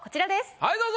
はいどうぞ。